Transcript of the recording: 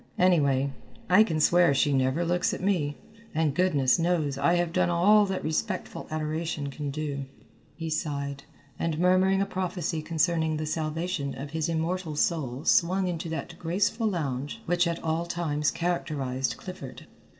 Anyway, I can swear she never looks at me, and goodness knows I have done all that respectful adoration can do." He sighed, and murmuring a prophecy concerning the salvation of his immortal soul swung into that graceful lounge which at all times characterized Clifford.